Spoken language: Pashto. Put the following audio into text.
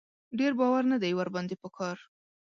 ډېر باور نه دی ور باندې په کار.